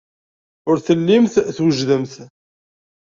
Ur tellimt twejdemt.